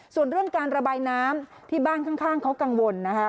ส่วนเรื่องการระบายน้ำที่บ้านข้างเขากังวลนะคะ